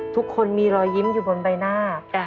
ทุกคนมีรอยยิ้มอยู่บนใบหน้า